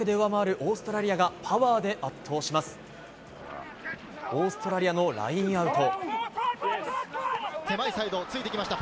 オーストラリアのラインアウト。